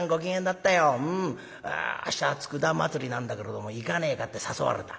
明日佃祭りなんだけれども行かねえかって誘われた。